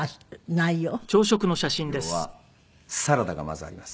内容はサラダがまずあります。